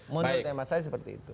menurut tema saya seperti itu